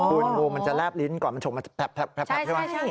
คุณงูมันจะแลบลิ้นก่อนมันชกมาแพลบใช่ไหม